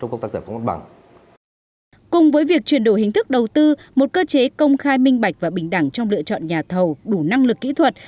cùng với việc chuyển đổi hình thức đầu tư một cơ chế công khai minh bạch và bình đẳng trong lựa chọn nhà thầu đủ năng lực kỹ thuật